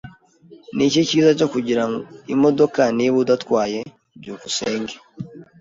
Niki cyiza cyo kugira imodoka niba udatwaye? byukusenge